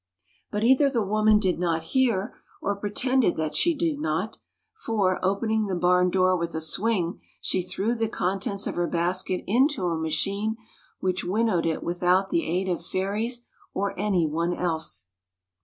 But either the woman did not hear or pretended that she did not; for, opening the barn door with a swing, she threw the contents of her basket into a machine, which winnowed it with out the aid of fairies or any one else.